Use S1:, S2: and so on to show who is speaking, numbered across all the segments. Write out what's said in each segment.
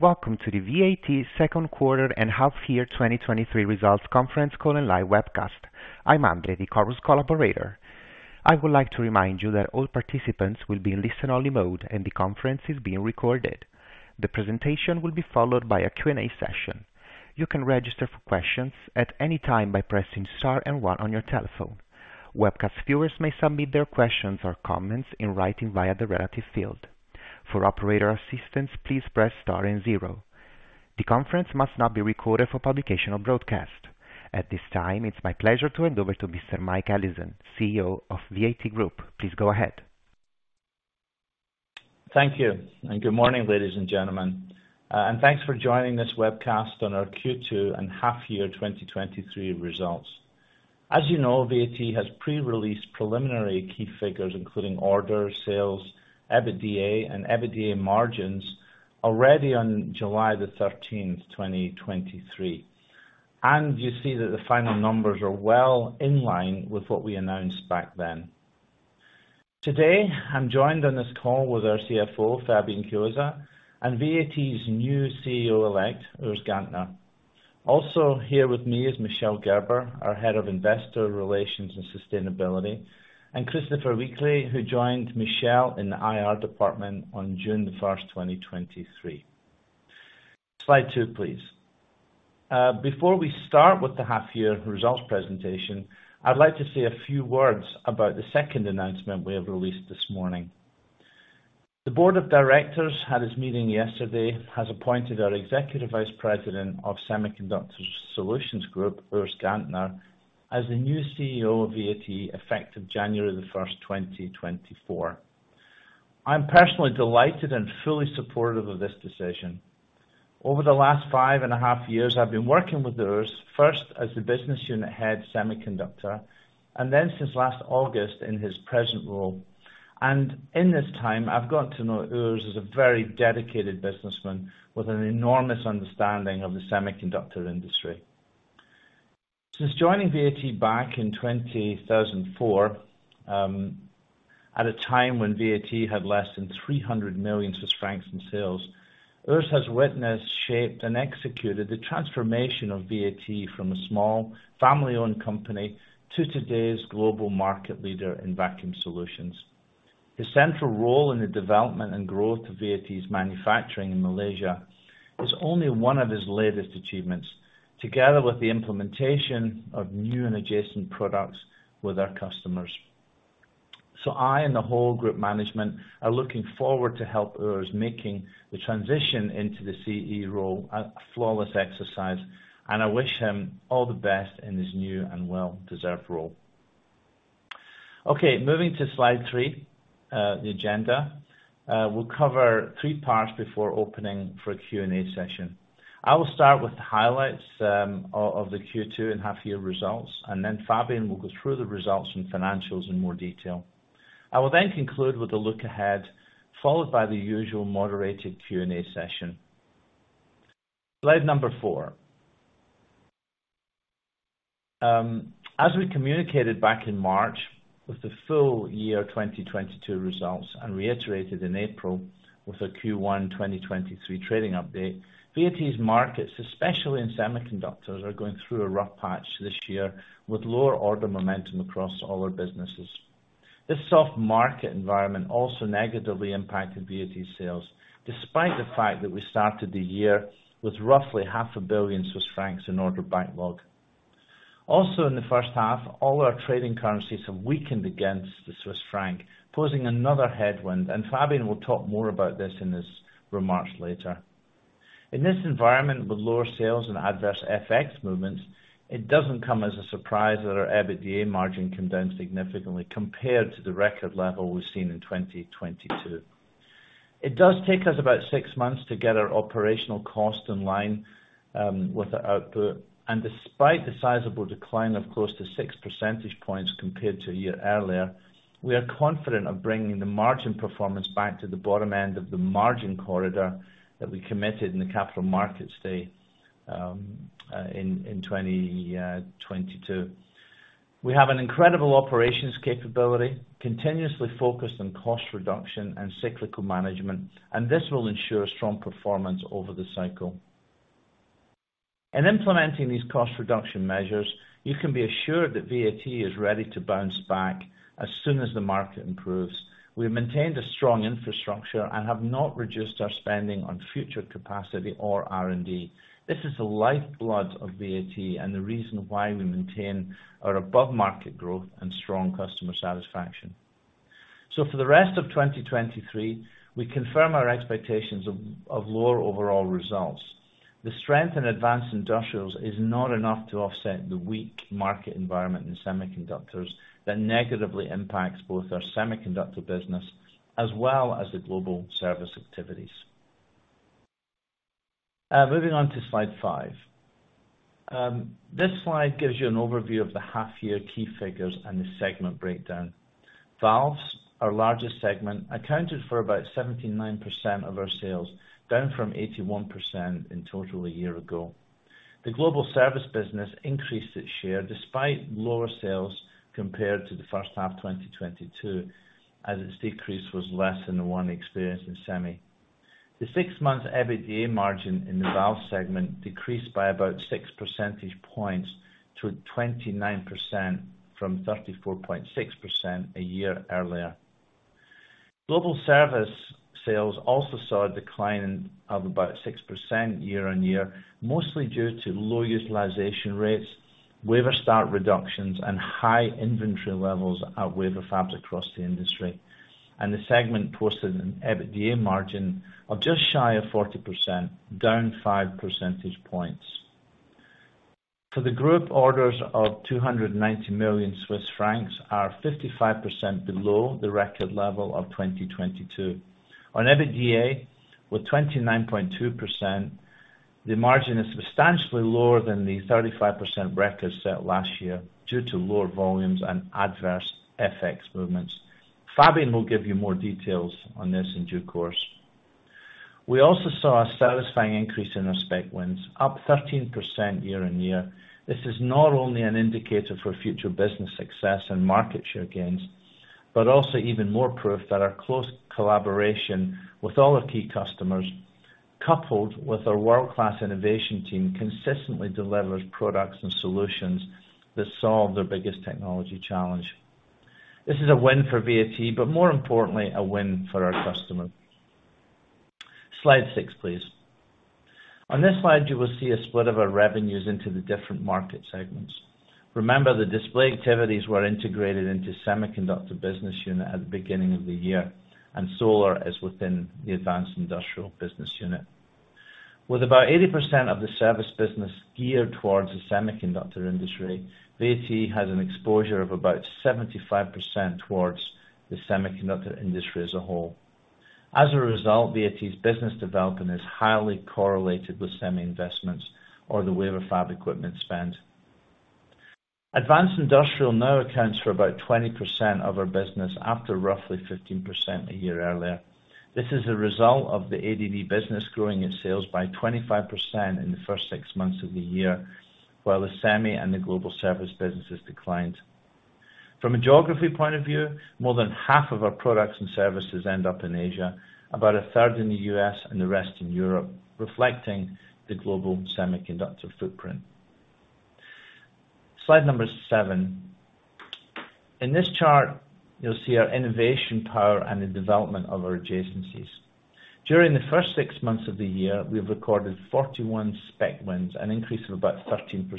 S1: Welcome to the VAT Second Quarter and Half Year 2023 Results Conference Call and Live Webcast. I'm Andre, the Chorus Call operator. I would like to remind you that all participants will be in listen-only mode, and the conference is being recorded. The presentation will be followed by a Q&A session. You can register for questions at any time by pressing Star and One on your telephone. Webcast viewers may submit their questions or comments in writing via the relative field. For operator assistance, please press Star and Zero. The conference must not be recorded for publication or broadcast. At this time, it's my pleasure to hand over to Mr. Mike Allison, CEO of VAT Group. Please go ahead.
S2: Thank you. Good morning, ladies and gentlemen. Thanks for joining this webcast on our Q2 and half year 2023 results. As you know, VAT has pre-released preliminary key figures, including order, sales, EBITDA, and EBITDA margins already on July the 13th, 2023. You see that the final numbers are well in line with what we announced back then. Today, I'm joined on this call with our CFO, Fabian Chiozza, and VAT's new CEO-elect, Urs Gantner. Also here with me is Michel Gerber, our Head of Investor Relations and Sustainability, and Christoph Wickli, who joined Michel in the IR department on June the 1st, 2023. Slide 2, please. Before we start with the half year results presentation, I'd like to say a few words about the second announcement we have released this morning. The board of directors had its meeting yesterday, has appointed our Executive Vice President of Semiconductor Solutions Group, Urs Gantner, as the new CEO of VAT, effective January 1st, 2024. I'm personally delighted and fully supportive of this decision. Over the last five and a half years, I've been working with Urs, first as the business unit head, Semiconductor, and then since last August in his present role. In this time, I've got to know Urs is a very dedicated businessman with an enormous understanding of the semiconductor industry. Since joining VAT back in 2004, at a time when VAT had less than 300 million Swiss francs in sales, Urs has witnessed, shaped, and executed the transformation of VAT from a small family-owned company to today's global market leader in vacuum solutions. His central role in the development and growth of VAT's manufacturing in Malaysia is only one of his latest achievements, together with the implementation of new and adjacent products with our customers. I and the whole group management are looking forward to help Urs making the transition into the CEO role a flawless exercise. I wish him all the best in his new and well-deserved role. Moving to slide 3, the agenda. We'll cover 3 parts before opening for a Q&A session. I will start with the highlights of the Q2 and half year results. Fabian will go through the results and financials in more detail. I will conclude with a look ahead, followed by the usual moderated Q&A session. Slide number 4. As we communicated back in March with the full year 2022 results, and reiterated in April with a Q1 2023 trading update, VAT's markets, especially in semiconductors, are going through a rough patch this year with lower order momentum across all our businesses. This soft market environment also negatively impacted VAT sales, despite the fact that we started the year with roughly half a billion CHF in order backlog. In the first half, all our trading currencies have weakened against the Swiss franc, posing another headwind, and Fabian will talk more about this in his remarks later. In this environment, with lower sales and adverse FX movements, it doesn't come as a surprise that our EBITDA margin came down significantly compared to the record level we've seen in 2022. It does take us about six months to get our operational cost in line with the output. Despite the sizable decline of close to six percentage points compared to a year earlier, we are confident of bringing the margin performance back to the bottom end of the margin corridor that we committed in the capital markets day in 2022. We have an incredible operations capability, continuously focused on cost reduction and cyclical management, and this will ensure strong performance over the cycle. In implementing these cost reduction measures, you can be assured that VAT is ready to bounce back as soon as the market improves. We have maintained a strong infrastructure and have not reduced our spending on future capacity or R&D. This is the lifeblood of VAT and the reason why we maintain our above-market growth and strong customer satisfaction. For the rest of 2023, we confirm our expectations of lower overall results. The strength in Advanced Industrials is not enough to offset the weak market environment in semiconductors that negatively impacts both our Semiconductors business as well as the global service activities. Moving on to slide 5. This slide gives you an overview of the half-year key figures and the segment breakdown. Valves, our largest segment, accounted for about 79% of our sales, down from 81% in total a year ago. The global service business increased its share despite lower sales compared to the first half, 2022, as its decrease was less than the one experienced in Semiconductors. The 6-month EBITDA margin in the valve segment decreased by about 6 percentage points to 29% from 34.6% a year earlier. Global service sales also saw a decline of about 6% year-on-year, mostly due to low utilization rates, wafer start reductions, and high inventory levels at wafer fabs across the industry. The segment posted an EBITDA margin of just shy of 40%, down 5 percentage points. For the group, orders of 290 million Swiss francs are 55% below the record level of 2022. On EBITDA, with 29.2%, the margin is substantially lower than the 35% record set last year due to lower volumes and adverse FX movements. Fabian will give you more details on this in due course. We also saw a satisfying increase in our spec wins, up 13% year-on-year. This is not only an indicator for future business success and market share gains, but also even more proof that our close collaboration with all our key customers, coupled with our world-class innovation team, consistently delivers products and solutions that solve their biggest technology challenge. This is a win for VAT, but more importantly, a win for our customers. Slide 6, please. On this slide, you will see a split of our revenues into the different market segments. Remember, the display activities were integrated into Semiconductors business unit at the beginning of the year, and Solar is within the Advanced Industrials business unit. With about 80% of the service business geared towards the semiconductor industry, VAT has an exposure of about 75% towards the semiconductor industry as a whole. As a result, VAT's business development is highly correlated with semi investments or the wafer fab equipment spend. Advanced Industrial now accounts for about 20% of our business, after roughly 15% a year earlier. This is a result of the ADV business growing its sales by 25% in the first 6 months of the year, while the Semi and the global service businesses declined. From a geography point of view, more than half of our products and services end up in Asia, about a third in the U.S., and the rest in Europe, reflecting the global semiconductor footprint. Slide number 7. In this chart, you'll see our innovation power and the development of our adjacencies. During the first 6 months of the year, we've recorded 41 spec wins, an increase of about 13%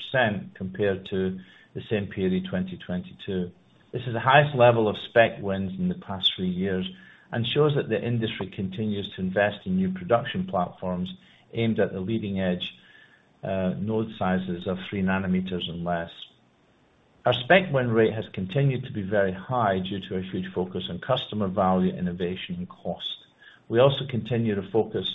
S2: compared to the same period, 2022. This is the highest level of spec wins in the past three years and shows that the industry continues to invest in new production platforms aimed at the leading edge, node sizes of three nanometers and less. Our spec win rate has continued to be very high due to a huge focus on customer value, innovation, and cost. We also continue to focus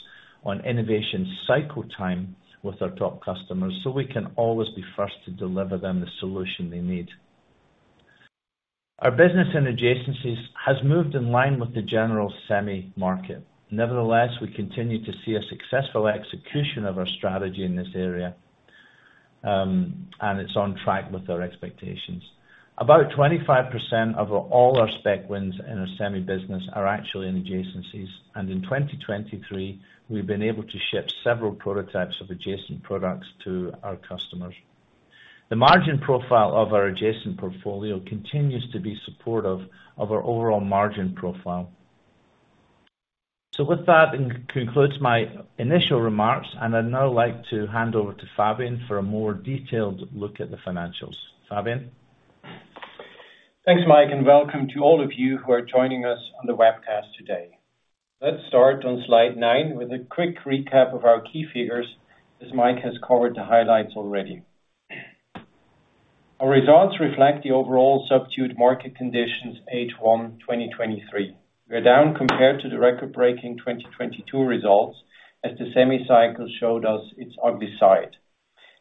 S2: on innovation cycle time with our top customers, so we can always be first to deliver them the solution they need. Our business and adjacencies has moved in line with the general semi market. Nevertheless, we continue to see a successful execution of our strategy in this area, and it's on track with our expectations. About 25% of all our spec wins in our semi business are actually in adjacencies, and in 2023, we've been able to ship several prototypes of adjacent products to our customers. The margin profile of our adjacent portfolio continues to be supportive of our overall margin profile. With that, concludes my initial remarks, and I'd now like to hand over to Fabian for a more detailed look at the financials. Fabian?
S3: Welcome to all of you who are joining us on the webcast today. Let's start on slide 9 with a quick recap of our key figures, as Mike has covered the highlights already. Our results reflect the overall subdued market conditions, H1 2023. We're down compared to the record-breaking 2022 results, as the semi-cycle showed us its ugly side.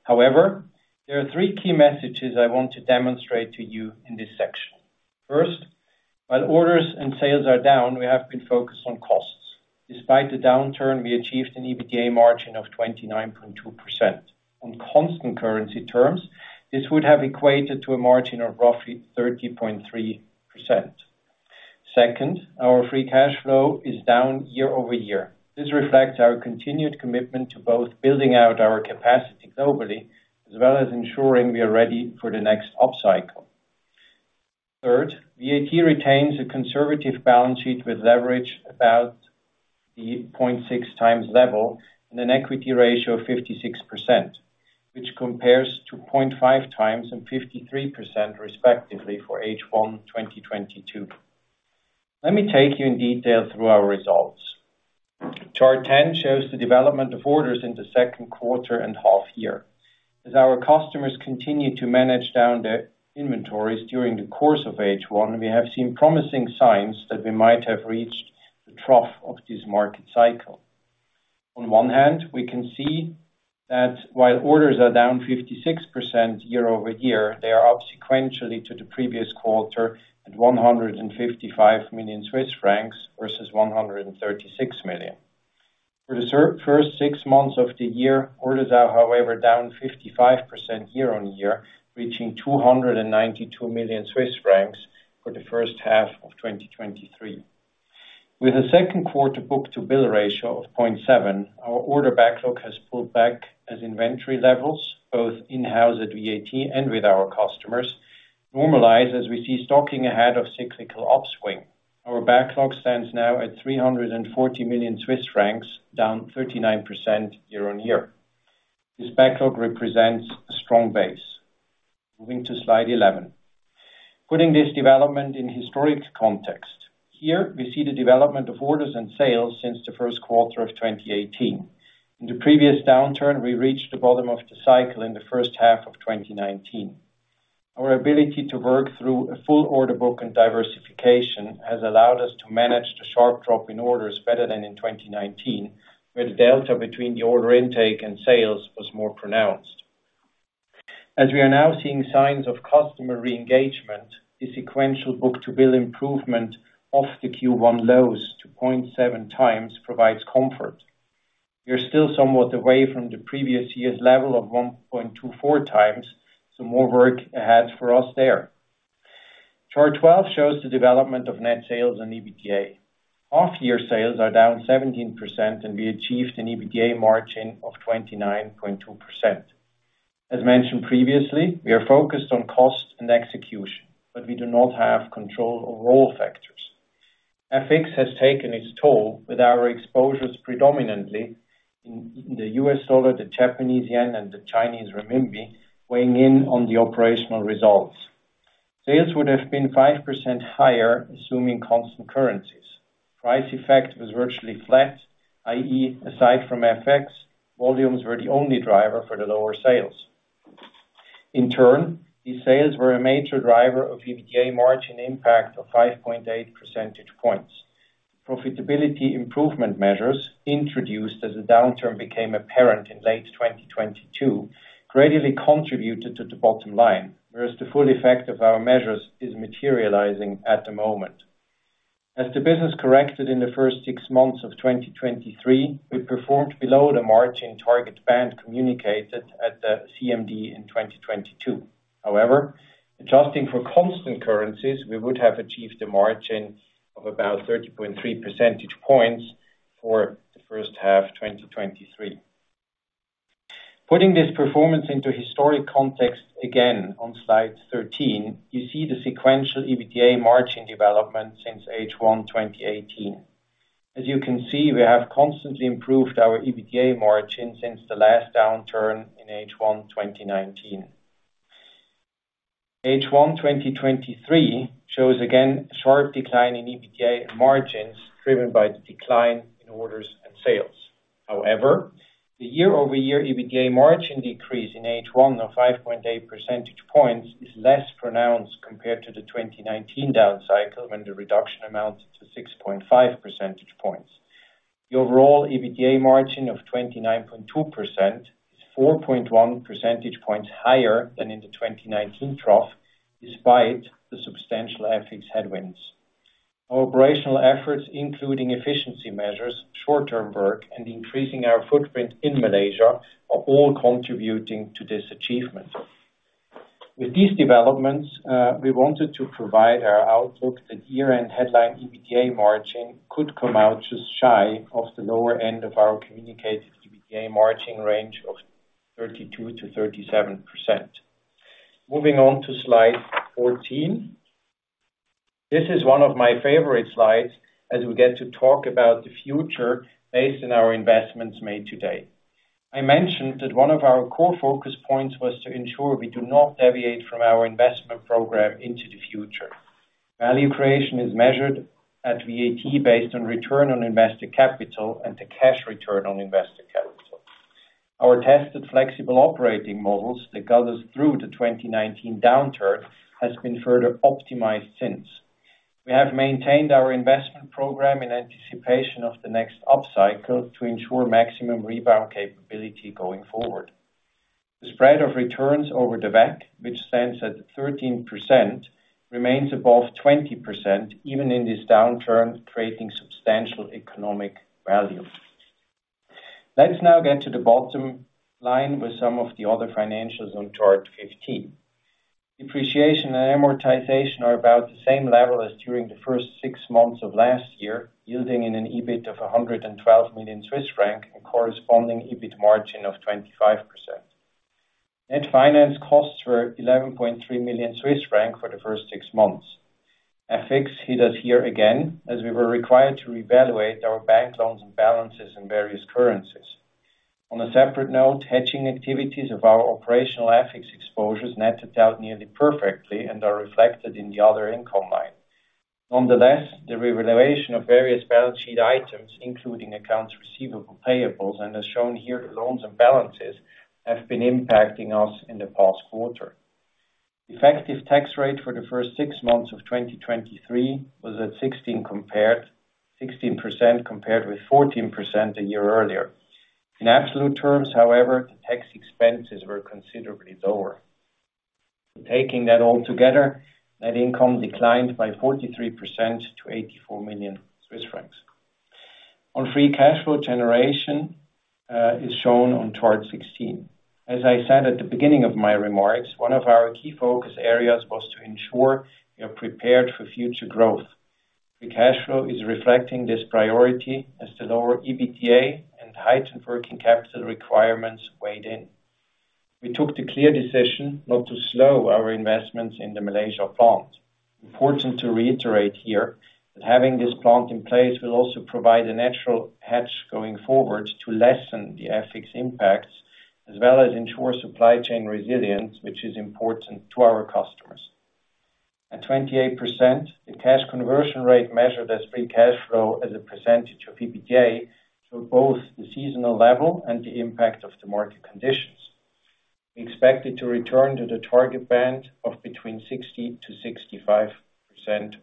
S3: However, there are three key messages I want to demonstrate to you in this section. First, while orders and sales are down, we have been focused on costs. Despite the downturn, we achieved an EBITDA margin of 29.2%. On constant currency terms, this would have equated to a margin of roughly 30.3%. Second, our free cash flow is down year-over-year. This reflects our continued commitment to both building out our capacity globally, as well as ensuring we are ready for the next upcycle. Third, VAT retains a conservative balance sheet with leverage about the 0.6 times level and an equity ratio of 56%, which compares to 0.5 times and 53% respectively for H1 2022. Let me take you in detail through our results. Chart 10 shows the development of orders in the second quarter and half year. As our customers continue to manage down their inventories during the course of H1, we have seen promising signs that we might have reached the trough of this market cycle. On one hand, we can see that while orders are down 56% year-over-year, they are up sequentially to the previous quarter at 155 million Swiss francs versus 136 million. For the first six months of the year, orders are, however, down 55% year-on-year, reaching 292 million Swiss francs for the first half of 2023. With a second quarter book-to-bill ratio of 0.7, our order backlog has pulled back as inventory levels, both in-house at VAT and with our customers, normalize as we see stocking ahead of cyclical upswing. Our backlog stands now at 340 million Swiss francs, down 39% year-on-year. This backlog represents a strong base. Moving to slide 11. Putting this development in historic context, here we see the development of orders and sales since the first quarter of 2018. In the previous downturn, we reached the bottom of the cycle in the first half of 2019. Our ability to work through a full order book and diversification has allowed us to manage the sharp drop in orders better than in 2019, where the delta between the order intake and sales was more pronounced. We are now seeing signs of customer re-engagement, the sequential book-to-bill improvement off the Q1 lows to 0.7 times provides comfort. We are still somewhat away from the previous year's level of 1.24 times, so more work ahead for us there. Chart 12 shows the development of net sales and EBITDA. Off-year sales are down 17%, and we achieved an EBITDA margin of 29.2%. As mentioned previously, we are focused on cost and execution, but we do not have control over all factors. FX has taken its toll with our exposures, predominantly in the US dollar, the Japanese yen, and the Chinese renminbi, weighing in on the operational results. Sales would have been 5% higher, assuming constant currencies. Price effect was virtually flat, i.e., aside from FX, volumes were the only driver for the lower sales. In turn, these sales were a major driver of EBITDA margin impact of 5.8 percentage points. Profitability improvement measures, introduced as the downturn became apparent in late 2022, greatly contributed to the bottom line, whereas the full effect of our measures is materializing at the moment. As the business corrected in the first 6 months of 2023, we performed below the margin target band communicated at the CMD in 2022. Adjusting for constant currencies, we would have achieved a margin of about 30.3 percentage points for the first half, 2023. Putting this performance into historic context, again, on slide 13, you see the sequential EBITDA margin development since H1, 2018. As you can see, we have constantly improved our EBITDA margin since the last downturn in H1, 2019. H1, 2023, shows, again, a sharp decline in EBITDA margins, driven by the decline in orders and sales. The year-over-year EBITDA margin decrease in H1 of 5.8 percentage points is less pronounced compared to the 2019 down cycle, when the reduction amounts to 6.5 percentage points. The overall EBITDA margin of 29.2% is 4.1 percentage points higher than in the 2019 trough, despite the substantial FX headwinds. Our operational efforts, including efficiency measures, short-time work, and increasing our footprint in Malaysia, are all contributing to this achievement. With these developments, we wanted to provide our outlook, that year-end headline EBITDA margin could come out just shy of the lower end of our communicated EBITDA margin range of 32%-37%. Moving on to slide 14. This is one of my favorite slides, as we get to talk about the future based on our investments made today. I mentioned that one of our core focus points was to ensure we do not deviate from our investment program into the future. Value creation is measured at VAT, based on Return on Invested Capital and the Cash Return on Invested Capital. Our tested flexible operating models that got us through the 2019 downturn, has been further optimized since. We have maintained our investment program in anticipation of the next upcycle to ensure maximum rebound capability going forward. The spread of returns over the WACC, which stands at 13%, remains above 20%, even in this downturn, creating substantial economic value. Let's now get to the bottom line with some of the other financials on chart 15. Depreciation and amortization are about the same level as during the first six months of last year, yielding in an EBIT of 112 million Swiss franc and corresponding EBIT margin of 25%. Net finance costs were 11.3 million Swiss francs for the first six months. FX hit us here again, as we were required to reevaluate our bank loans and balances in various currencies. On a separate note, hedging activities of our operational FX exposures netted out nearly perfectly and are reflected in the other income line. The revaluation of various balance sheet items, including accounts receivable, payables, and as shown here, the loans and balances, have been impacting us in the past quarter. Effective tax rate for the first six months of 2023 was at 16% compared with 14% a year earlier. In absolute terms, however, the tax expenses were considerably lower. Taking that all together, net income declined by 43% to 84 million Swiss francs. On free cash flow generation, is shown on chart 16. As I said at the beginning of my remarks, one of our key focus areas was to ensure we are prepared for future growth. The cash flow is reflecting this priority as the lower EBITDA and heightened working capital requirements weighed in. We took the clear decision not to slow our investments in the Malaysia plant. Important to reiterate here, that having this plant in place will also provide a natural hedge going forward to lessen the FX impacts, as well as ensure supply chain resilience, which is important to our customers. At 28%, the cash conversion rate measured as free cash flow as a percentage of EBITDA, show both the seasonal level and the impact of the market conditions. We expect it to return to the target band of between 60%-65%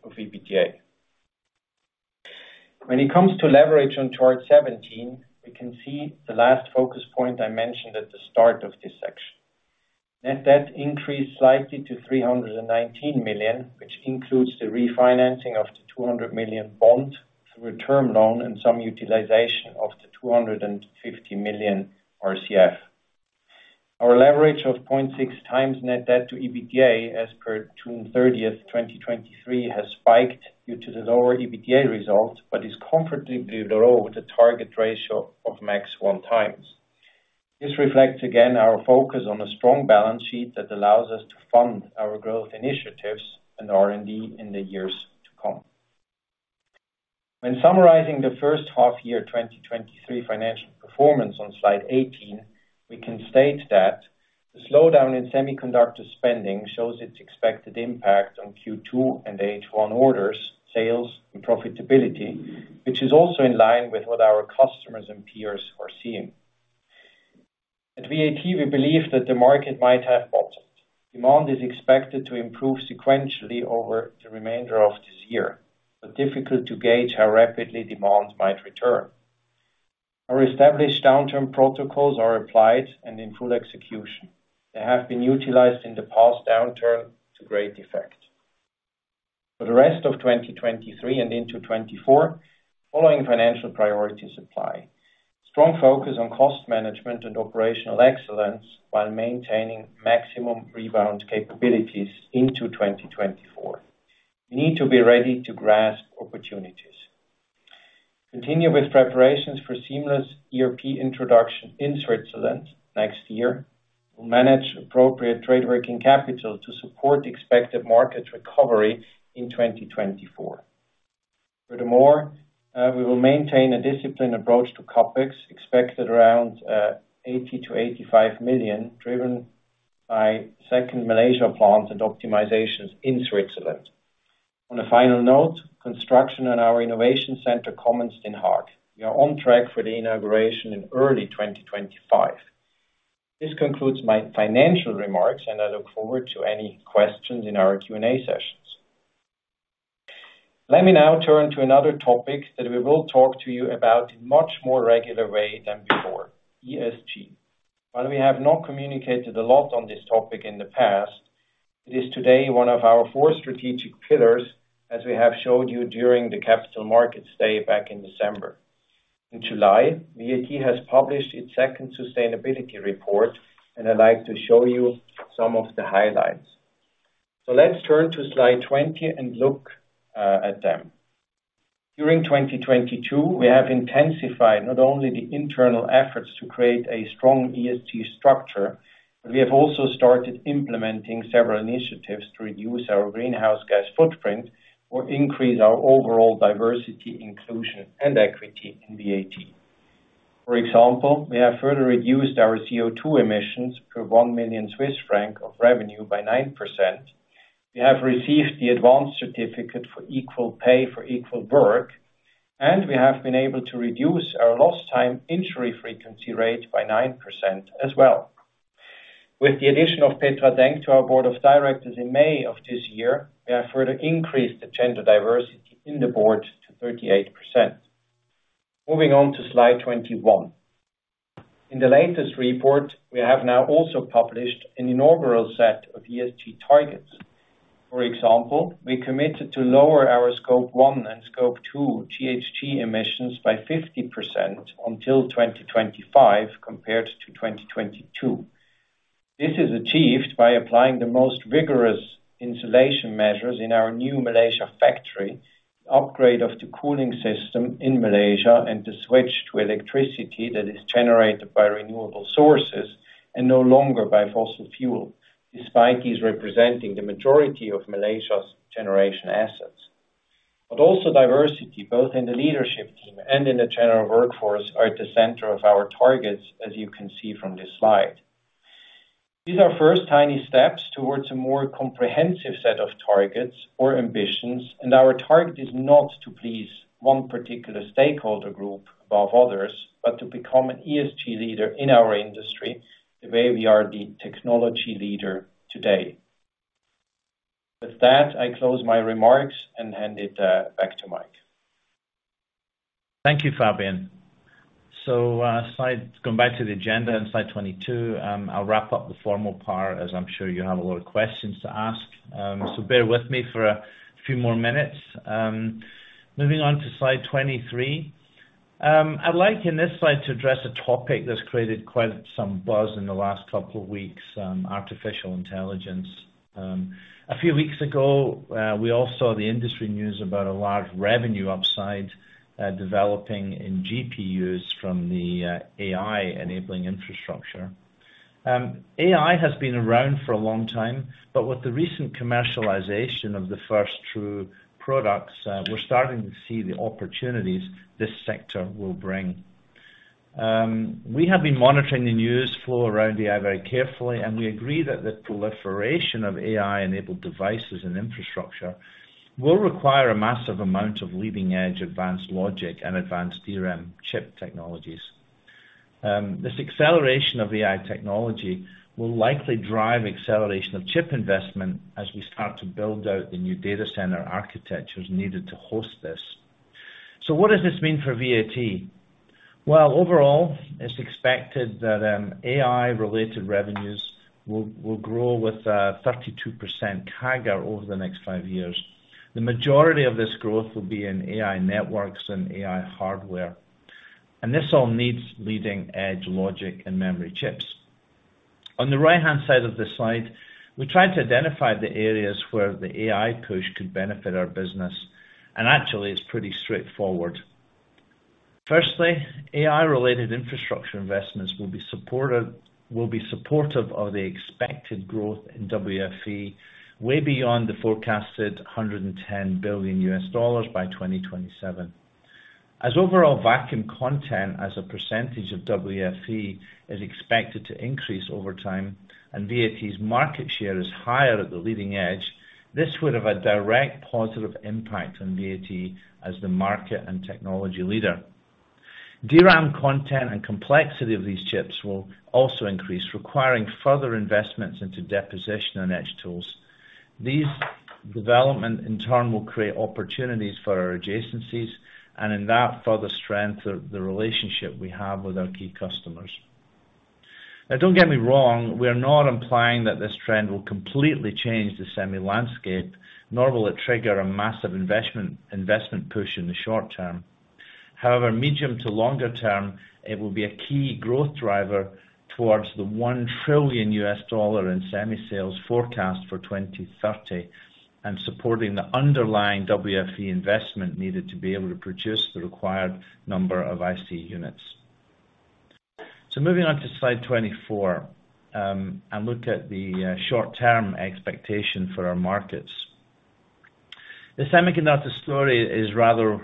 S3: of EBITDA. When it comes to leverage on chart 17, we can see the last focus point I mentioned at the start of this section. Net debt increased slightly to 319 million, which includes the refinancing of the 200 million bond through a term loan and some utilization of the 250 million RCF. Our leverage of 0.6 times net debt to EBITDA as per June 30, 2023, has spiked due to the lower EBITDA results, but is comfortably below the target ratio of max 1 time. This reflects, again, our focus on a strong balance sheet that allows us to fund our growth initiatives and R&D in the years to come. When summarizing the first half year 2023 financial performance on Slide 18, we can state that the slowdown in semiconductor spending shows its expected impact on Q2 and H1 orders, sales, and profitability, which is also in line with what our customers and peers are seeing. At VAT, we believe that the market might have bottomed. Demand is expected to improve sequentially over the remainder of this year, but difficult to gauge how rapidly demand might return. Our established downturn protocols are applied and in full execution. They have been utilized in the past downturn to great effect. For the rest of 2023 and into 2024, the following financial priorities apply: Strong focus on cost management and operational excellence while maintaining maximum rebound capabilities into 2024. We need to be ready to grasp opportunities. Continue with preparations for seamless ERP introduction in Switzerland next year. We'll manage appropriate trade working capital to support the expected market recovery in 2024. Furthermore, we will maintain a disciplined approach to CapEx, expected around 80 million-85 million, driven by second Malaysia plant and optimizations in Switzerland. On a final note, construction on our innovation center commenced in Haag. We are on track for the inauguration in early 2025. This concludes my financial remarks, and I look forward to any questions in our Q&A sessions. Let me now turn to another topic that we will talk to you about in a much more regular way than before, ESG. While we have not communicated a lot on this topic in the past, it is today one of our four strategic pillars, as we have showed you during the Capital Markets Day back in December. In July, VAT has published its second sustainability report, and I'd like to show you some of the highlights. Let's turn to slide 20 and look at them. During 2022, we have intensified not only the internal efforts to create a strong ESG structure, but we have also started implementing several initiatives to reduce our greenhouse gas footprint or increase our overall diversity, inclusion, and equity in VAT. For example, we have further reduced our CO2 emissions per 1 million Swiss franc of revenue by 9%. We have received the advanced certificate for equal pay for equal work, and we have been able to reduce our Lost Time Injury Frequency Rate by 9% as well. With the addition of Petra Denk to our board of directors in May of this year, we have further increased the gender diversity in the board to 38%. Moving on to slide 21. In the latest report, we have now also published an inaugural set of ESG targets. For example, we committed to lower our Scope 1 and Scope 2 GHG emissions by 50% until 2025 compared to 2022. This is achieved by applying the most rigorous insulation measures in our new Malaysia factory, upgrade of the cooling system in Malaysia, and the switch to electricity that is generated by renewable sources and no longer by fossil fuel, despite these representing the majority of Malaysia's generation assets. Also diversity, both in the leadership team and in the general workforce, are at the center of our targets, as you can see from this slide. These are first tiny steps towards a more comprehensive set of targets or ambitions, Our target is not to please 1 particular stakeholder group above others, but to become an ESG leader in our industry, the way we are the technology leader today. With that, I close my remarks and hand it back to Mike.
S2: Thank you, Fabian. Going back to the agenda on slide 22, I'll wrap up the formal part, as I'm sure you have a lot of questions to ask. Bear with me for a few more minutes. Moving on to slide 23. I'd like, in this slide, to address a topic that's created quite some buzz in the last couple of weeks, artificial intelligence. A few weeks ago, we all saw the industry news about a large revenue upside developing in GPUs from the AI-enabling infrastructure. AI has been around for a long time, with the recent commercialization of the first true products, we're starting to see the opportunities this sector will bring. We have been monitoring the news flow around AI very carefully. We agree that the proliferation of AI-enabled devices and infrastructure will require a massive amount of leading-edge advanced logic and advanced DRAM chip technologies. This acceleration of AI technology will likely drive acceleration of chip investment as we start to build out the new data center architectures needed to host this. What does this mean for VAT? Well, overall, it's expected that AI-related revenues will grow with 32% CAGR over the next five years. The majority of this growth will be in AI networks and AI hardware. This all needs leading-edge logic and memory chips. On the right-hand side of this slide, we tried to identify the areas where the AI push could benefit our business. Actually, it's pretty straightforward. Firstly, AI-related infrastructure investments will be supportive of the expected growth in WFE, way beyond the forecasted $110 billion by 2027. As overall vacuum content as a percentage of WFE is expected to increase over time, and VAT's market share is higher at the leading edge, this would have a direct positive impact on VAT as the market and technology leader. DRAM content and complexity of these chips will also increase, requiring further investments into deposition and etch tools. These development, in turn, will create opportunities for our adjacencies, and in that, further strength of the relationship we have with our key customers. Don't get me wrong, we are not implying that this trend will completely change the semi landscape, nor will it trigger a massive investment push in the short term. Medium to longer term, it will be a key growth driver towards the $1 trillion in semi sales forecast for 2030, and supporting the underlying WFE investment needed to be able to produce the required number of IC units. Moving on to slide 24, and look at the short-term expectation for our markets. The semiconductor story is rather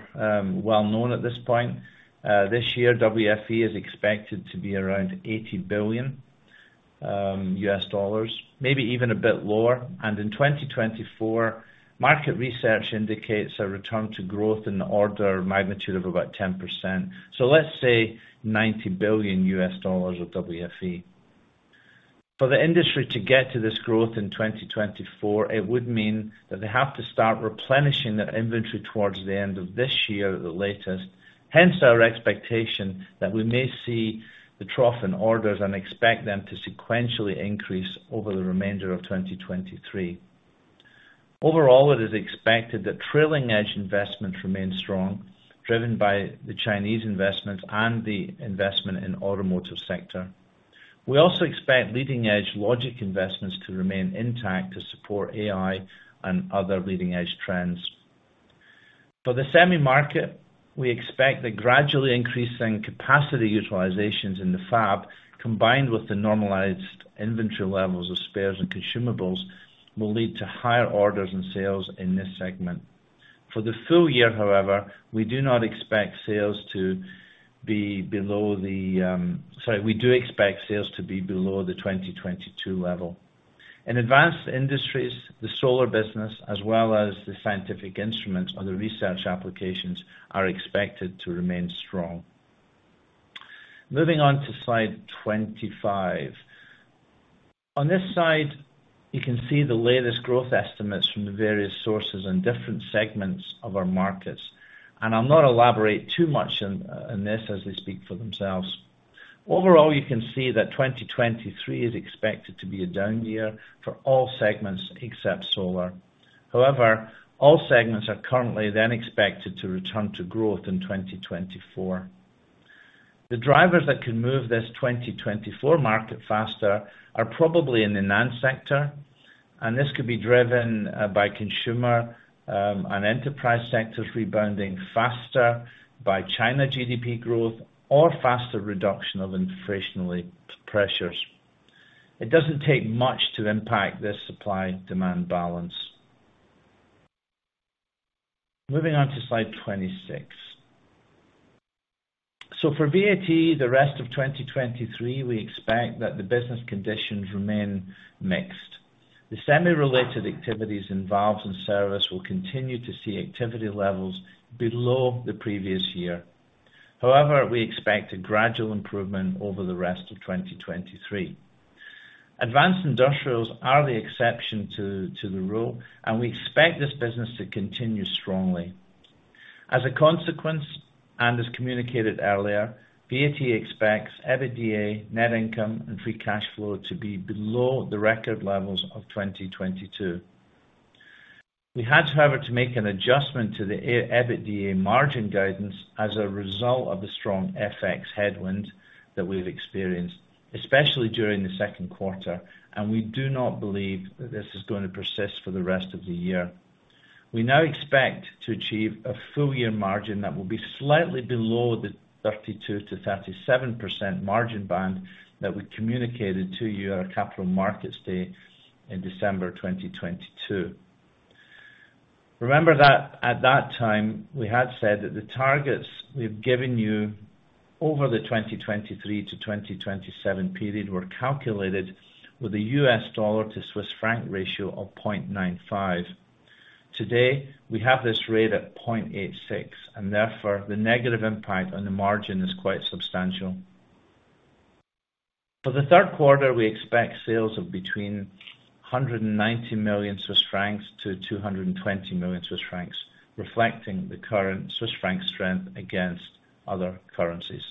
S2: well known at this point. This year, WFE is expected to be around $80 billion, maybe even a bit lower, and in 2024, market research indicates a return to growth in the order of magnitude of about 10%. Let's say $90 billion of WFE. For the industry to get to this growth in 2024, it would mean that they have to start replenishing their inventory towards the end of this year at the latest, hence our expectation that we may see the trough in orders and expect them to sequentially increase over the remainder of 2023. It is expected that trailing edge investment remains strong, driven by the Chinese investments and the investment in automotive sector. We also expect leading edge logic investments to remain intact to support AI and other leading-edge trends. For the semi market, we expect that gradually increasing capacity utilizations in the fab, combined with the normalized inventory levels of spares and consumables, will lead to higher orders and sales in this segment. For the full year, however, we do not expect sales to be below the. Sorry, we do expect sales to be below the 2022 level. In advanced industries, the solar business, as well as the scientific instruments or the research applications, are expected to remain strong. Moving on to slide 25. On this slide, you can see the latest growth estimates from the various sources and different segments of our markets, and I'll not elaborate too much on this as they speak for themselves. Overall, you can see that 2023 is expected to be a down year for all segments except solar. However, all segments are currently then expected to return to growth in 2024. The drivers that can move this 2024 market faster are probably in the NAND sector, and this could be driven by consumer and enterprise sectors rebounding faster by China GDP growth or faster reduction of inflationary pressures. It doesn't take much to impact this supply-demand balance. Moving on to slide 26. For VAT, the rest of 2023, we expect that the business conditions remain mixed. The semi-related activities involved in service will continue to see activity levels below the previous year. However, we expect a gradual improvement over the rest of 2023. Advanced industrials are the exception to the rule, and we expect this business to continue strongly. As a consequence, and as communicated earlier, VAT expects EBITDA, net income, and free cash flow to be below the record levels of 2022. We had, however, to make an adjustment to the EBITDA margin guidance as a result of the strong FX headwind that we've experienced, especially during the second quarter, and we do not believe that this is going to persist for the rest of the year. We now expect to achieve a full year margin that will be slightly below the 32%-37% margin band that we communicated to you at our capital markets day in December 2022. Remember that, at that time, we had said that the targets we've given you over the 2023-2027 period were calculated with a US dollar to Swiss franc ratio of 0.95. Today, we have this rate at 0.86. Therefore, the negative impact on the margin is quite substantial. For the third quarter, we expect sales of between 190 million Swiss francs to 220 million Swiss francs, reflecting the current Swiss franc strength against other currencies.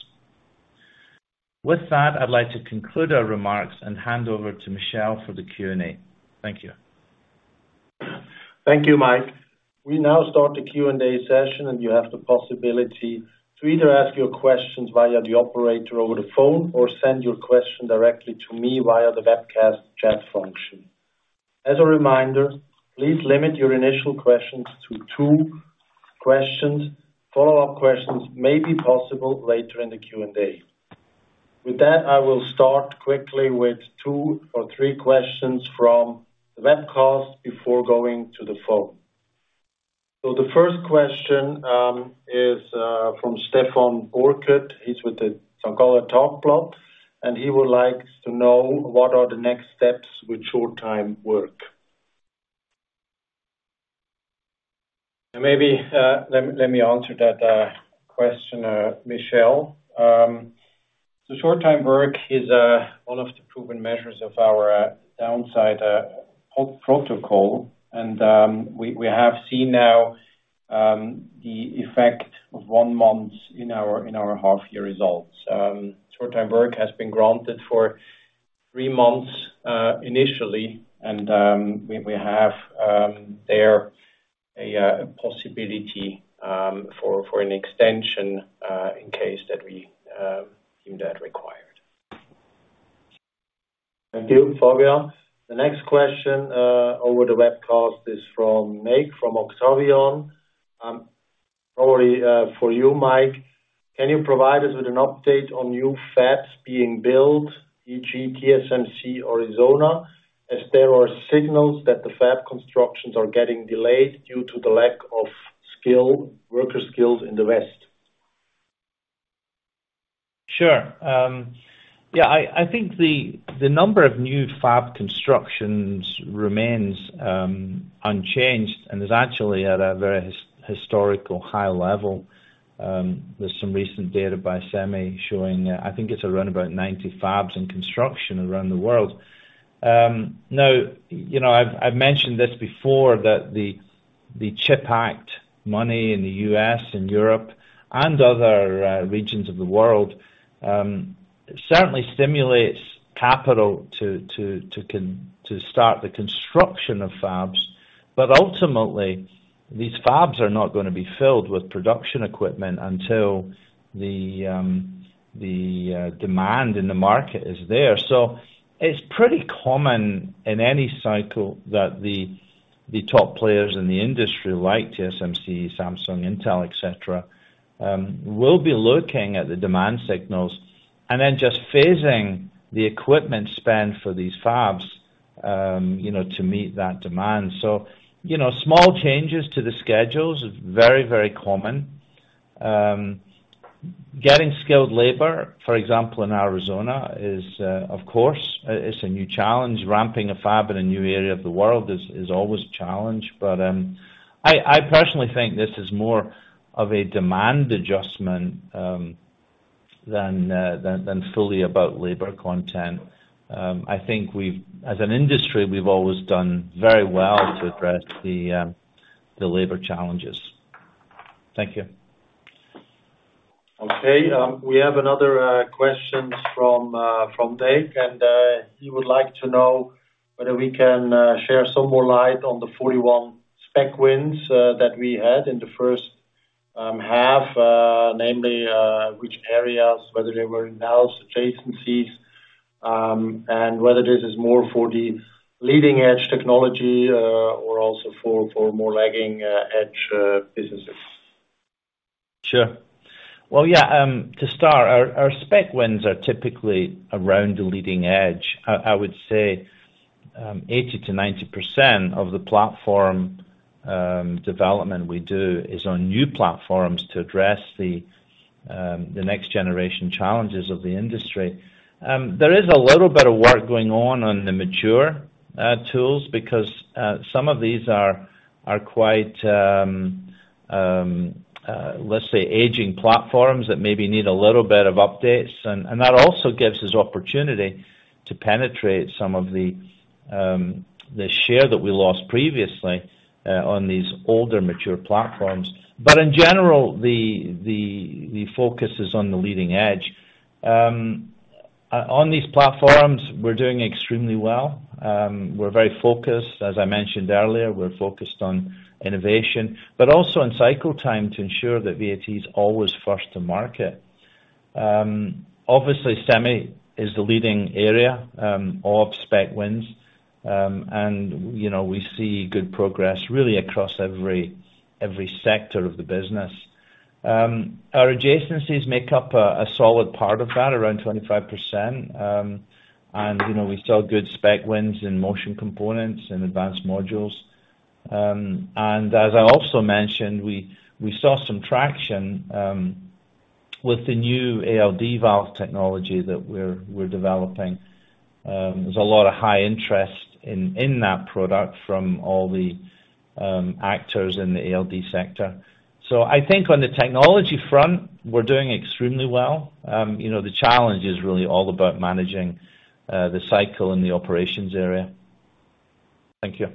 S2: With that, I'd like to conclude our remarks and hand over to Michelle for the Q&A. Thank you.
S4: Thank you, Mike. We now start the Q&A session, and you have the possibility to either ask your questions via the operator over the phone or send your question directly to me via the webcast chat function. As a reminder, please limit your initial questions to two questions. Follow-up questions may be possible later in the Q&A. With that, I will start quickly with two or three questions from the webcast before going to the phone. The first question is from Stefan Schmid. He's with the St. Galler Tagblatt, and he would like to know what are the next steps with short-time work?
S3: Maybe, let me answer that question, Michel Gerber. The short-time work is one of the proven measures of our downside protocol. We have seen now the effect of 1 month in our half year results. Short-time work has been granted for 3 months initially, and we have there a possibility for an extension in case that we deem that required.
S4: Thank you, Fabian. The next question over the webcast is from Nejc, from Octavian AG. Probably for you, Mike. Can you provide us with an update on new fabs being built, e.g., TSMC, Arizona, as there are signals that the fab constructions are getting delayed due to the lack of worker skills in the West?
S2: Sure. I think the number of new fab constructions remains unchanged, and is actually at a very historical high level. There's some recent data by SEMI showing, I think it's around about 90 fabs in construction around the world. Now, you know, I've mentioned this before, that the CHIP Act money in the U.S. and Europe and other regions of the world, certainly stimulates capital to start the construction of fabs. Ultimately, these fabs are not gonna be filled with production equipment until the demand in the market is there. It's pretty common in any cycle that the top players in the industry, like TSMC, Samsung, Intel, et cetera, will be looking at the demand signals, and then just phasing the equipment spend for these fabs, you know, to meet that demand. You know, small changes to the schedules is very, very common. Getting skilled labor, for example, in Arizona is, of course, it's a new challenge. Ramping a fab in a new area of the world is always a challenge, but I personally think this is more of a demand adjustment than fully about labor content. I think we've, as an industry, we've always done very well to address the labor challenges. Thank you.
S4: Okay. We have another question from Dave, and he would like to know whether we can share some more light on the 41 spec wins that we had in the first half, namely which areas, whether they were in-house adjacencies, and whether this is more for the leading edge technology or also for more lagging edge businesses.
S2: Sure. Well, yeah, to start, our spec wins are typically around the leading edge. I would say, 80% to 90% of the platform development we do is on new platforms to address the next generation challenges of the industry. There is a little bit of work going on the mature tools, because some of these are quite, let's say aging platforms that maybe need a little bit of updates. That also gives us opportunity to penetrate some of the share that we lost previously on these older, mature platforms. In general, the focus is on the leading edge. On these platforms, we're doing extremely well. We're very focused. As I mentioned earlier, we're focused on innovation, but also on cycle time to ensure that VAT is always first to market. Obviously, SEMI is the leading area of spec wins. You know, we see good progress really across every sector of the business. Our adjacencies make up a solid part of that, around 25%. You know, we saw good spec wins in motion components and advanced modules. As I also mentioned, we saw some traction with the new ALD valve technology that we're developing. There's a lot of high interest in that product from all the actors in the ALD sector. I think on the technology front, we're doing extremely well. You know, the challenge is really all about managing the cycle and the operations area. Thank you.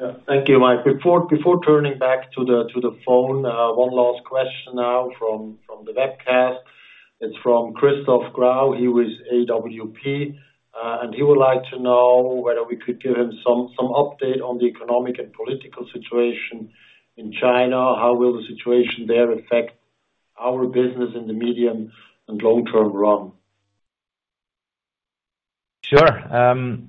S4: Yeah. Thank you, Mike. Before turning back to the phone, one last question now from the webcast. It's from Christoph Grau, he with AWP, he would like to know whether we could give him some update on the economic and political situation in China. How will the situation there affect our business in the medium and long term run?
S2: Sure.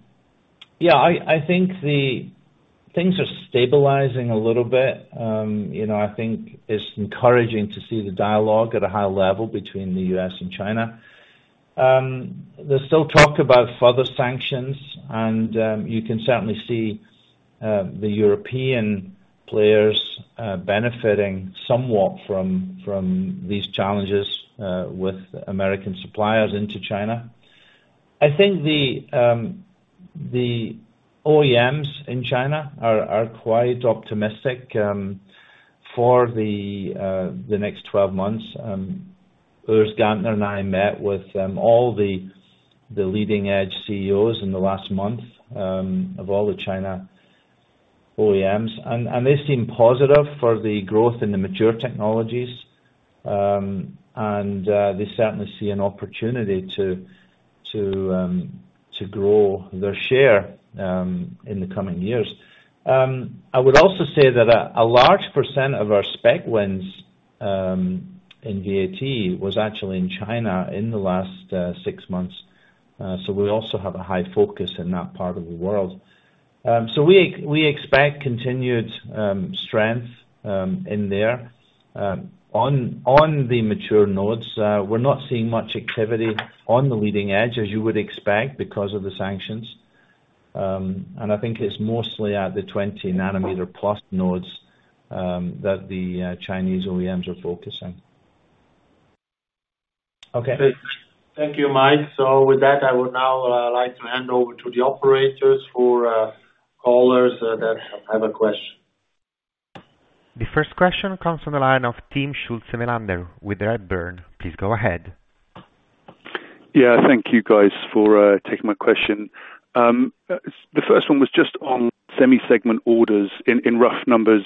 S2: Yeah, things are stabilizing a little bit. You know, I think it's encouraging to see the dialogue at a high level between the U.S. and China. There's still talk about further sanctions. You can certainly see the European players benefiting somewhat from these challenges with American suppliers into China. I think the OEMs in China are quite optimistic for the next 12 months. Urs Gantner and I met with all the leading edge CEOs in the last month of all the China OEMs, and they seem positive for the growth in the mature technologies. They certainly see an opportunity to grow their share in the coming years. I would also say that a large percent of our spec wins in VAT, was actually in China in the last six months. We expect continued strength in there. On the mature nodes, we're not seeing much activity on the leading edge, as you would expect, because of the sanctions. I think it's mostly at the 20 nanometer plus nodes that the Chinese OEMs are focusing. Okay.
S4: Thank you, Mike. With that, I would now like to hand over to the operators for callers that have a question.
S1: The first question comes from the line of Timm Schulze-Melander with Redburn. Please go ahead.
S5: Thank you, guys, for taking my question. The first one was just on Semi segment orders. In rough numbers,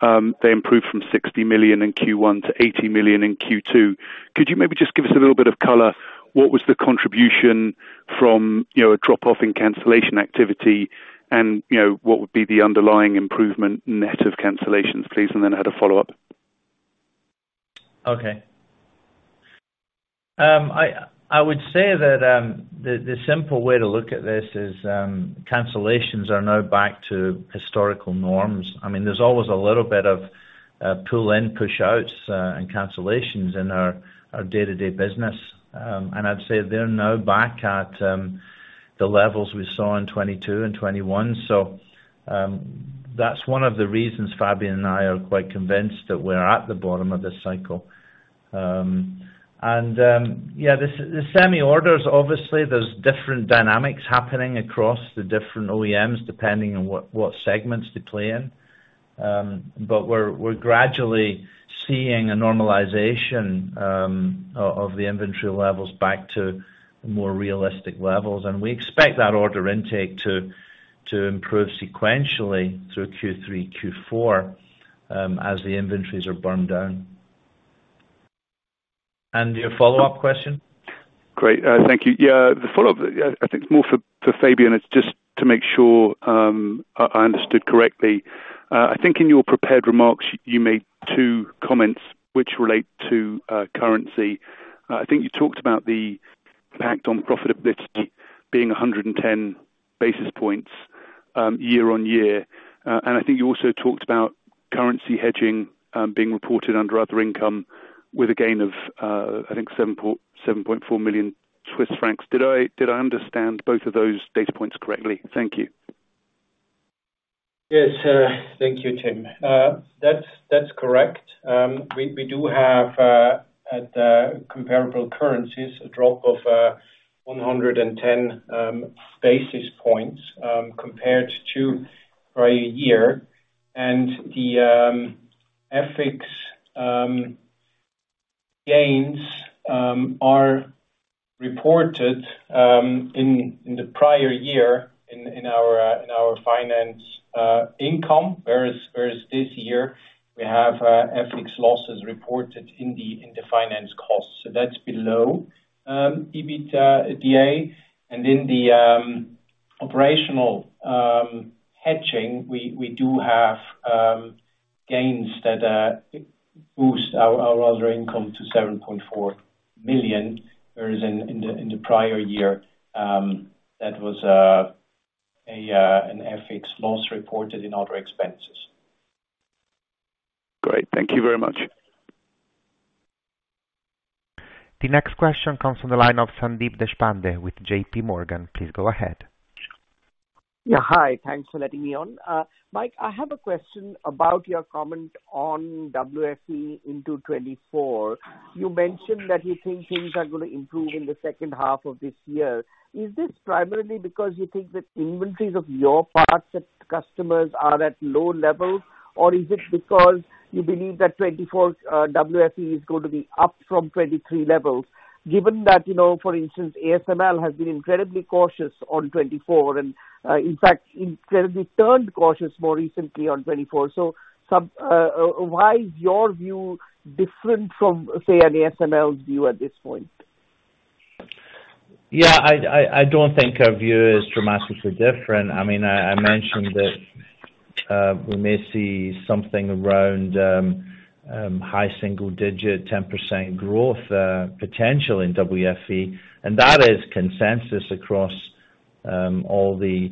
S5: they improved from 60 million in Q1 to 80 million in Q2. Could you maybe just give us a little bit of color? What was the contribution from, you know, a drop off in cancellation activity, and, you know, what would be the underlying improvement net of cancellations, please? I had a follow-up.
S2: Okay. I would say that the simple way to look at this is cancellations are now back to historical norms. I mean, there's always a little bit of pull in, push outs, and cancellations in our day-to-day business. I'd say they're now back at the levels we saw in 2022 and 2021. That's one of the reasons Fabian and I are quite convinced that we're at the bottom of this cycle. Yeah, the semi orders, obviously, there's different dynamics happening across the different OEMs, depending on what segments they play in. We're gradually seeing a normalization of the inventory levels back to more realistic levels. We expect that order intake to improve sequentially through Q3, Q4, as the inventories are burned down. Your follow-up question?
S5: Great. Thank you. The follow-up, I think it's more for Fabian. It's just to make sure I understood correctly. I think in your prepared remarks, you made two comments which relate to currency. I think you talked about the impact on profitability being 110 basis points year-on-year. I think you also talked about currency hedging, being reported under other income with a gain of, I think 7.4 million Swiss francs. Did I understand both of those data points correctly? Thank you.
S3: Yes, thank you, Tim. That's correct.
S2: We do have at the comparable currencies, a drop of 110 basis points compared to prior year. The FX gains are reported in the prior year in our finance income, whereas this year, we have FX losses reported in the finance costs. That's below EBITDA. In the operational hedging, we do have gains that boost our other income to 7.4 million, whereas in the prior year, that was an FX loss reported in other expenses.
S5: Great, thank you very much.
S1: The next question comes from the line of Sandeep Deshpande with JPMorgan. Please go ahead.
S6: Yeah, hi. Thanks for letting me on. Mike, I have a question about your comment on WFE into 2024. You mentioned that you think things are going to improve in the second half of this year. Is this primarily because you think that inventories of your parts at customers are at low levels, or is it because you believe that 2024, WFE is going to be up from 2023 levels? Given that, you know, for instance, ASML has been incredibly cautious on 2024, and, in fact, incredibly turned cautious more recently on 2024. Why is your view different from, say, an ASML view at this point?
S2: I don't think our view is dramatically different. I mean, I mentioned that we may see something around high single digit, 10% growth potential in WFE, and that is consensus across the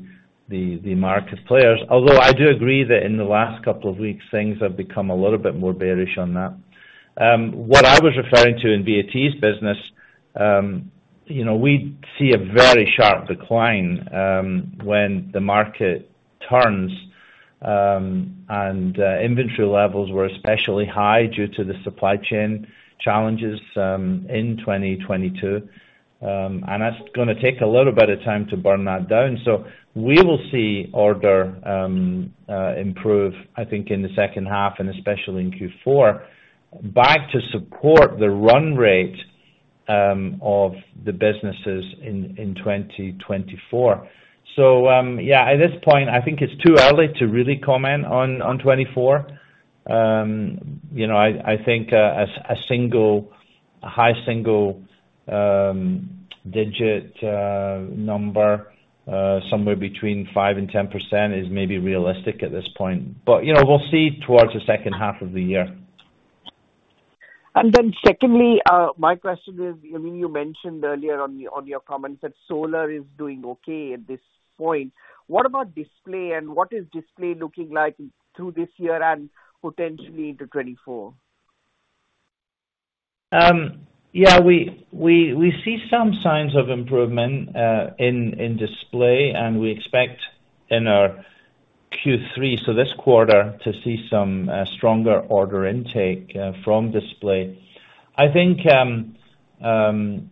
S2: market players. I do agree that in the last couple of weeks, things have become a little bit more bearish on that. What I was referring to in VAT's business, you know, we see a very sharp decline when the market turns. Inventory levels were especially high due to the supply chain challenges in 2022. That's gonna take a little bit of time to burn that down. We will see order improve, I think, in the second half and especially in Q4, back to support the run rate of the businesses in 2024. Yeah, at this point, I think it's too early to really comment on '24. You know, I think a high single digit number somewhere between 5% and 10% is maybe realistic at this point. You know, we'll see towards the second half of the year.
S6: Secondly, my question is: I mean, you mentioned earlier on your comments that solar is doing okay at this point. What about display, and what is display looking like through this year and potentially into 2024?
S2: Yeah, we see some signs of improvement in display, and we expect in our Q3, so this quarter, to see some stronger order intake from display. I think the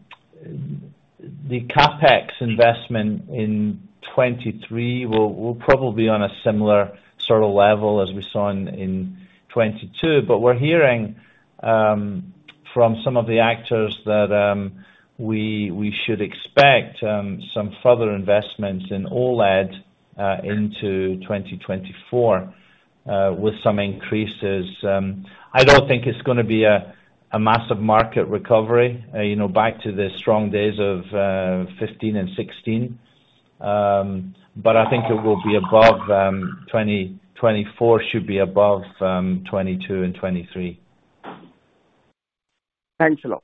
S2: CapEx investment in 2023 will probably be on a similar sort of level as we saw in 2022. We're hearing from some of the actors that we should expect some further investments in OLED into 2024 with some increases. I don't think it's gonna be a massive market recovery, you know, back to the strong days of 2015 and 2016. I think it will be above, 2024 should be above, 2022 and 2023.
S6: Thanks a lot.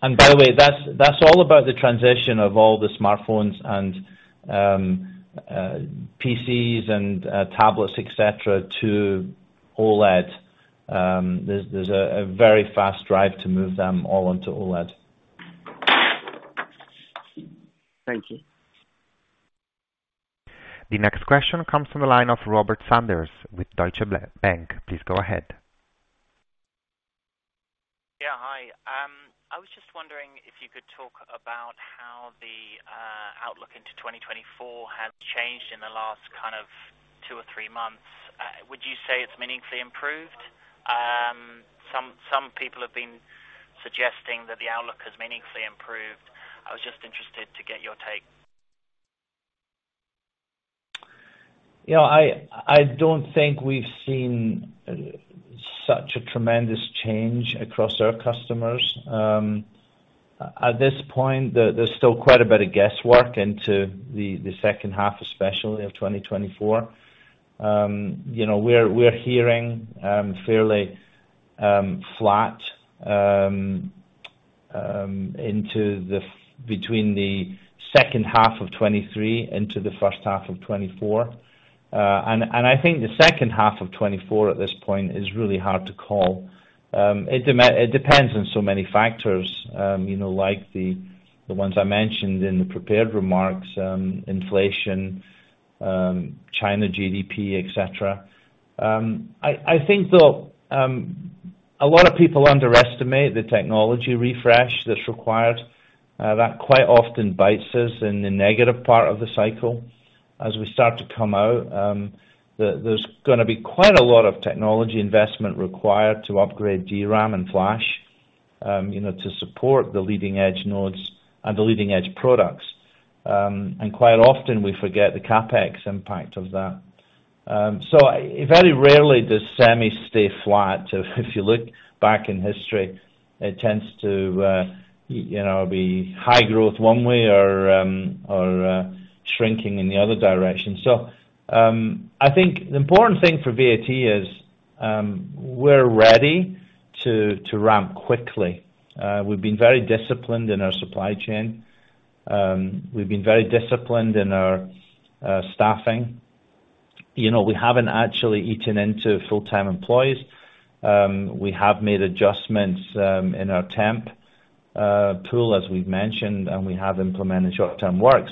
S2: By the way, that's all about the transition of all the smartphones and PCs and tablets, et cetera, to OLED. There's a very fast drive to move them all onto OLED.
S6: Thank you.
S1: The next question comes from the line of Robert Sanders with Deutsche Bank. Please go ahead.
S7: Yeah, hi. I was just wondering if you could talk about how the outlook into 2024 has changed in the last kind of 2 or 3 months. Would you say it's meaningfully improved? Some people have been suggesting that the outlook has meaningfully improved. I was just interested to get your take.
S2: You know, I don't think we've seen such a tremendous change across our customers. At this point, there's still quite a bit of guesswork into the second half, especially of 2024. You know, we're hearing fairly flat between the second half of 2023 into the first half of 2024. I think the second half of 2024, at this point, is really hard to call. It depends on so many factors, you know, like the ones I mentioned in the prepared remarks, inflation, China, GDP, et cetera. I think, though, a lot of people underestimate the technology refresh that's required, that quite often bites us in the negative part of the cycle. As we start to come out, there's gonna be quite a lot of technology investment required to upgrade DRAM and flash, you know, to support the leading edge nodes and the leading edge products. Quite often, we forget the CapEx impact of that. Very rarely does semi stay flat. If you look back in history, it tends to, you know, be high growth one way or shrinking in the other direction. I think the important thing for VAT is we're ready to ramp quickly. We've been very disciplined in our supply chain. We've been very disciplined in our staffing. You know, we haven't actually eaten into full-time employees. We have made adjustments in our temp pool, as we've mentioned, and we have implemented short-term work.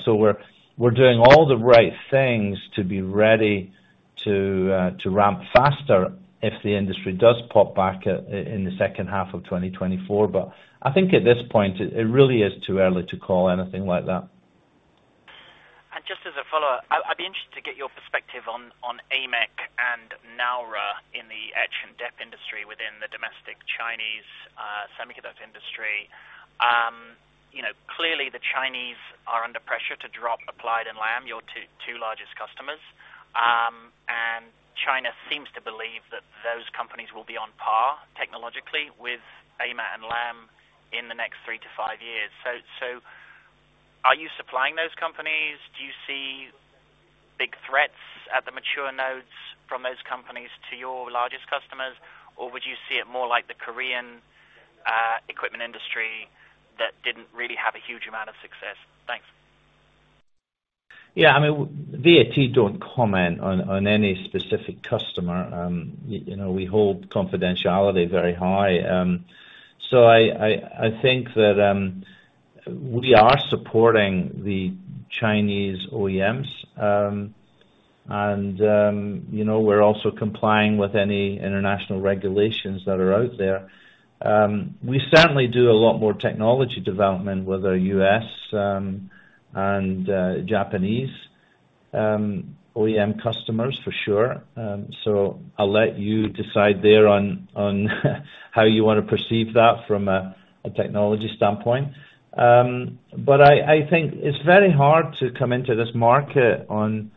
S2: We're doing all the right things to be ready to ramp faster if the industry does pop back in the second half of 2024. I think at this point, it really is too early to call anything like that.
S7: Just as a follow-up, I'd be interested to get your perspective on AMEC and NAURA in the etch and dep industry within the domestic Chinese semiconductor industry. You know, clearly the Chinese are under pressure to drop Applied and Lam, your two largest customers. China seems to believe that those companies will be on par technologically with AMEC and Lam in the next 3-5 years. Are you supplying those companies? Do you see big threats at the mature nodes from those companies to your largest customers, or would you see it more like the Korean equipment industry that didn't really have a huge amount of success? Thanks.
S2: Yeah. I mean, VAT don't comment on any specific customer. You know, we hold confidentiality very high. I, I think that we are supporting the Chinese OEMs. You know, we're also complying with any international regulations that are out there. We certainly do a lot more technology development with our U.S., and Japanese, OEM customers for sure. I'll let you decide there on how you wanna perceive that from a technology standpoint. I think it's very Haag to come into this market on,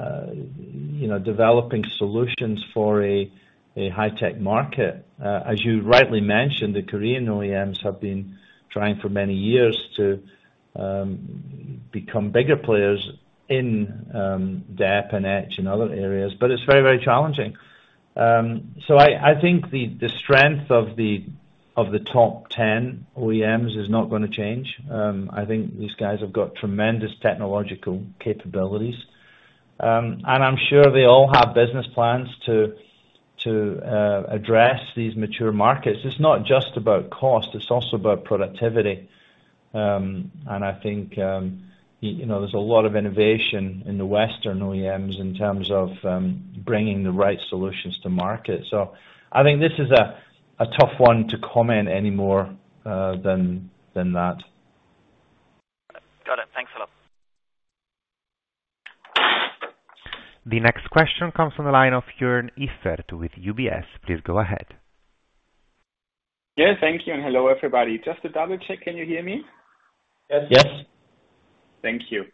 S2: you know, developing solutions for a high-tech market. As you rightly mentioned, the Korean OEMs have been trying for many years to become bigger players in dep and etch in other areas, but it's very, very challenging. I think the strength of the top 10 OEMs is not gonna change. I think these guys have got tremendous technological capabilities, and I'm sure they all have business plans to address these mature markets. It's not just about cost, it's also about productivity. I think, you know, there's a lot of innovation in the Western OEMs in terms of bringing the right solutions to market. I think this is a tough one to comment any more than that.
S7: Got it. Thanks a lot.
S1: The next question comes from the line of Jörn Iffert with UBS. Please go ahead.
S8: Yeah, thank you, and hello, everybody. Just to double check, can you hear me?
S2: Yes.
S7: Yes.
S8: Thank you.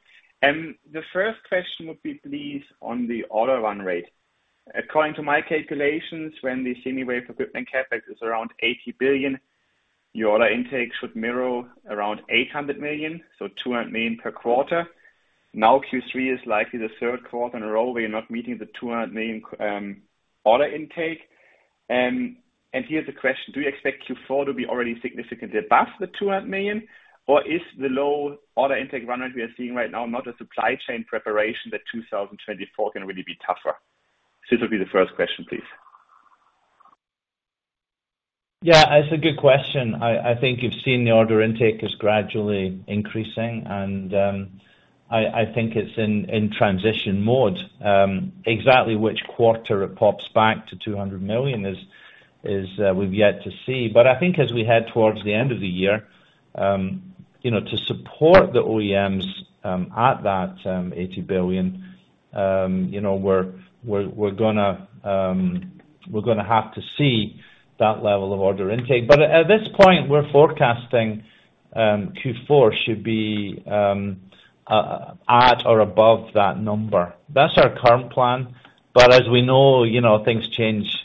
S8: The first question would be, please, on the order run rate. According to my calculations, when the semi-WFE equipment CapEx is around $80 billion, your order intake should mirror around $800 million, so $200 million per quarter. Q3 is likely the third quarter in a row where you're not meeting the $200 million order intake. Here's the question: Do you expect Q4 to be already significantly above the $200 million, or is the low order intake run rate we are seeing right now, not a supply chain preparation that 2024 can really be tougher? This will be the first question, please.
S2: Yeah, it's a good question. I think you've seen the order intake is gradually increasing, and I think it's in transition mode. Exactly which quarter it pops back to 200 million is, we've yet to see. I think as we head towards the end of the year, you know, to support the OEMs, at that 80 billion, you know, we're gonna have to see that level of order intake. At this point, we're forecasting Q4 should be at or above that number. That's our current plan, but as we know, you know, things change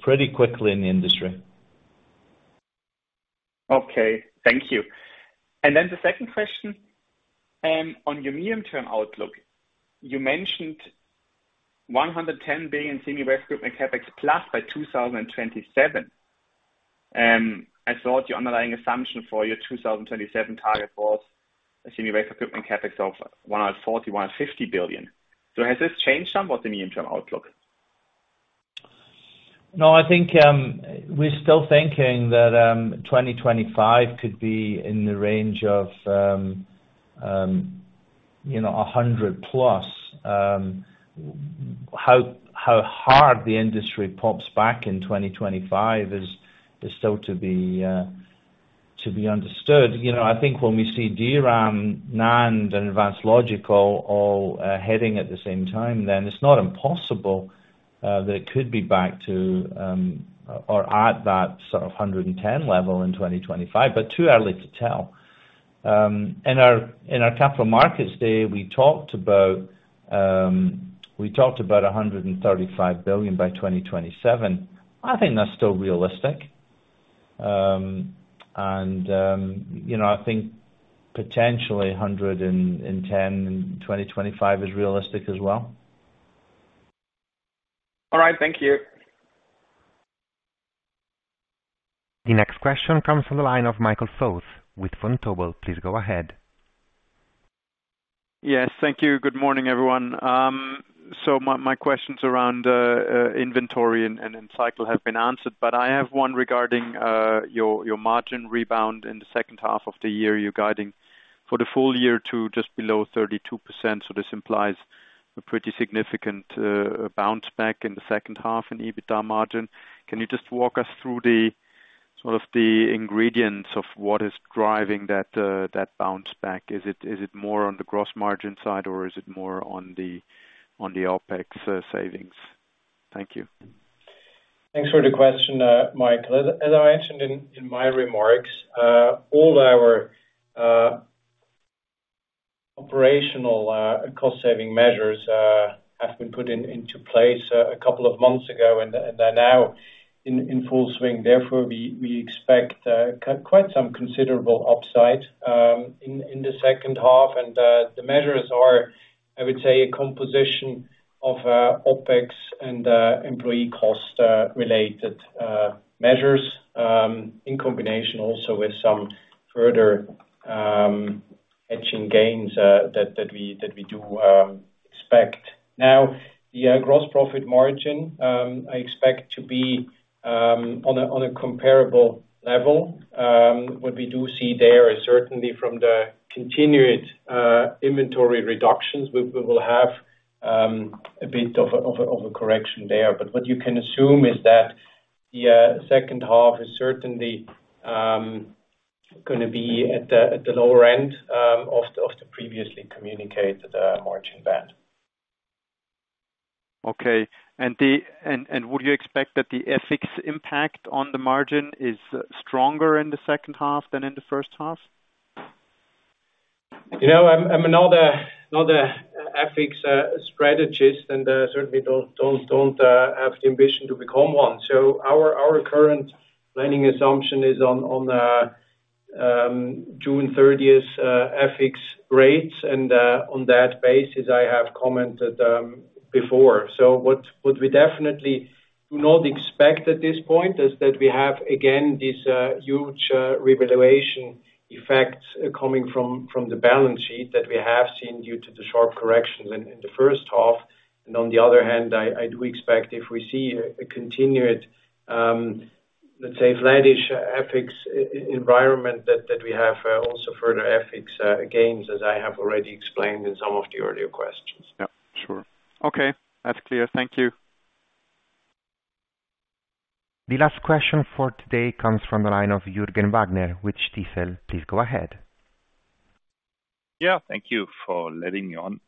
S2: pretty quickly in the industry.
S8: Okay. Thank you. The second question, on your medium-term outlook. You mentioned $110 billion semi-WFE group and CapEx plus by 2027. I thought the underlying assumption for your 2027 target was a wafer fab equipment CapEx of $140 billion-$150 billion. Has this changed somewhat, the medium-term outlook?
S2: I think, we're still thinking that 2025 could be in the range of, you know, $100+ billion. How high the industry pops back in 2025 is still to be understood. You know, I think when we see DRAM, NAND, and Advanced Logic all heading at the same time, then it's not impossible that it could be back to, or at that sort of $110 billion level in 2025. Too early to tell. In our Capital Markets Day, we talked about $135 billion by 2027. I think that's still realistic. You know, I think potentially $110 billion in 2025 is realistic as well.
S8: All right, thank you.
S1: The next question comes from the line of Michael Foeth with Vontobel. Please go ahead.
S9: Yes, thank you. Good morning, everyone. My questions around inventory and then cycle have been answered. I have one regarding your margin rebound in the second half of the year. You're guiding for the full year to just below 32%. This implies a pretty significant bounce back in the second half in EBITDA margin. Can you just walk us through the sort of the ingredients of what is driving that bounce back? Is it more on the gross margin side, or is it more on the OpEx savings? Thank you.
S3: Thanks for the question, Michael. As I mentioned in my remarks, all our operational cost saving measures have been put into place a couple of months ago, and they're now in full swing. Therefore, we expect quite some considerable upside in the second half, and the measures are, I would say, a composition of OpEx and employee cost related measures, in combination also with some further etching gains that we do expect. The gross profit margin, I expect to be on a comparable level. What we do see there is certainly from the continued inventory reductions, we will have a bit of a correction there. What you can assume is that the second half is certainly gonna be at the lower end of the previously communicated margin band.
S9: Okay. Would you expect that the FX impact on the margin is stronger in the second half than in the first half?
S3: You know, I'm not a FX strategist, certainly don't have the ambition to become one. Our current planning assumption is on the June 30th FX rates, on that basis, I have commented before. What we definitely do not expect at this point, is that we have again this huge revaluation effect coming from the balance sheet that we have seen due to the sharp corrections in the first half. On the other hand, I do expect if we see a continued, let's say flattish FX environment, that we have also further FX gains, as I have already explained in some of the earlier questions.
S9: Yeah, sure. Okay, that's clear. Thank you.
S1: The last question for today comes from the line of Jürgen Wagner, with Stifel. Please go ahead.
S10: Thank you for letting me on.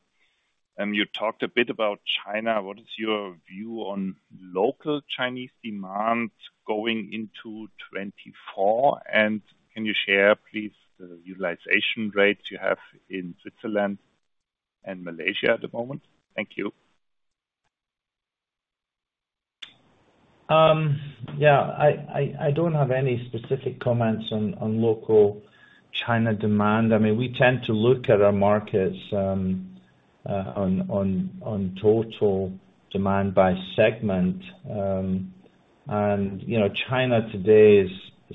S10: You talked a bit about China. What is your view on local Chinese demand going into 2024? Can you share, please, the utilization rate you have in Switzerland and Malaysia at the moment? Thank you.
S2: Yeah, I don't have any specific comments on local China demand. I mean, we tend to look at our markets on total demand by segment. You know, China today is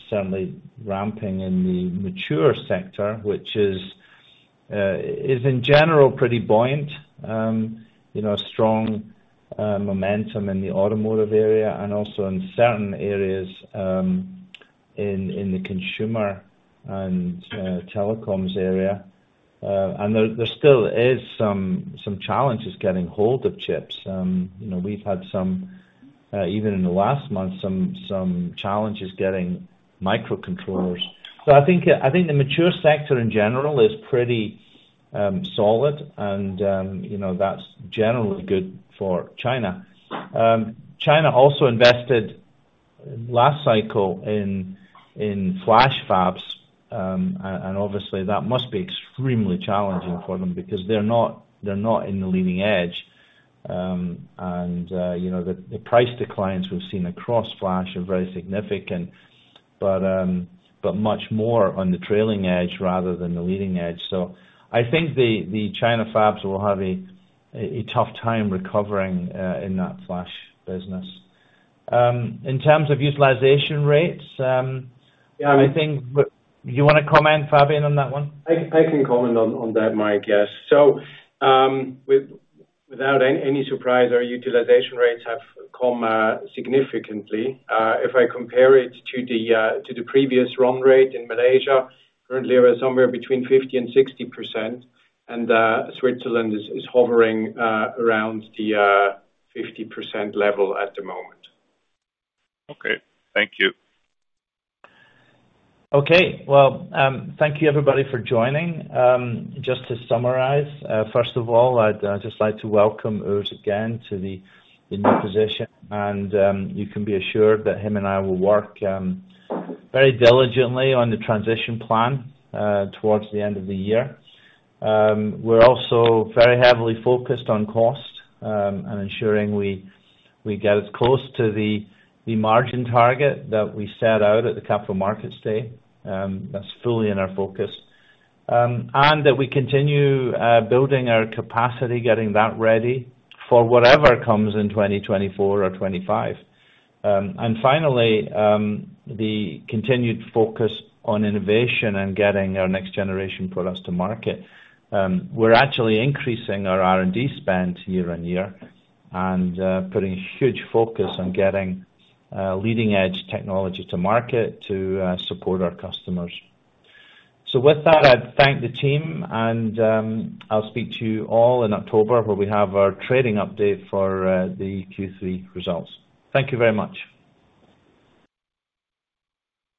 S2: certainly ramping in the mature sector, which is in general, pretty buoyant. You know, strong momentum in the automotive area and also in certain areas in the consumer and telecoms area. There still is some challenges getting hold of chips. You know, we've had some challenges getting microcontrollers. I think the mature sector in general is pretty solid, and, you know, that's generally good for China. China also invested last cycle in flash fabs, and obviously that must be extremely challenging for them because they're not in the leading edge. You know, the price declines we've seen across flash are very significant, but much more on the trailing edge rather than the leading edge. I think the China fabs will have a tough time recovering in that flash business. In terms of utilization rates, I think
S3: Yeah.
S2: You wanna comment, Fabian, on that one?
S3: I can comment on that, Mike, yes. Without any surprise, our utilization rates have come significantly. If I compare it to the previous run rate in Malaysia, currently, we're somewhere between 50% and 60%, and Switzerland is hovering around the 50% level at the moment.
S10: Okay, thank you.
S2: Okay. Well, thank you, everybody, for joining. Just to summarize, first of all, I'd just like to welcome Urs again to the new position, and you can be assured that him and I will work very diligently on the transition plan towards the end of the year. We're also very heavily focused on cost and ensuring we get as close to the margin target that we set out at the Capital Markets Day, that's fully in our focus. That we continue building our capacity, getting that ready for whatever comes in 2024 or 2025. Finally, the continued focus on innovation and getting our next generation products to market. We're actually increasing our R&D spend year-on-year, and putting huge focus on getting leading-edge technology to market to support our customers. With that, I'd thank the team, and I'll speak to you all in October, where we have our trading update for the Q3 results. Thank you very much!